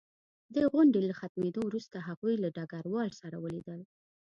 د غونډې له ختمېدو وروسته هغوی له ډګروال سره ولیدل